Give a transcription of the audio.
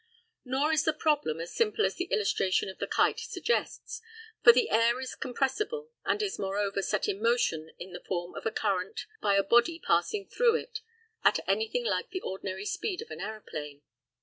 Nor is the problem as simple as the illustration of the kite suggests, for the air is compressible, and is moreover set in motion in the form of a current by a body passing through it at anything like the ordinary speed of an aeroplane.